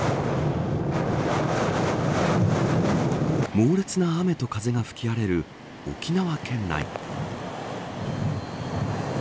猛烈な雨と風が吹き荒れる沖縄県内。